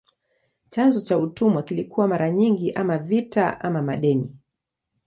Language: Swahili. Chanzo cha utumwa kilikuwa mara nyingi ama vita ama madeni.